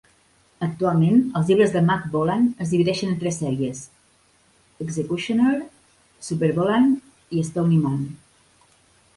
Actualment, els llibres de Mack Bolan es divideixen en tres sèries: Executioner, SuperBolan i Stony Man.